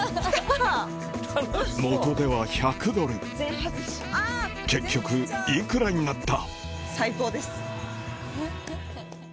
元手は１００ドル結局幾らになった？